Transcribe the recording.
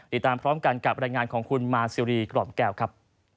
ติดตามพร้อมกันกับรายงานของคุณมาซิรีกล่อมแก้วครับ